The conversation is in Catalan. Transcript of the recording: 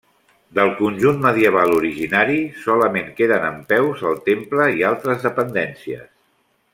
Del conjunt medieval originari solament queden en peus el temple i altres dependències.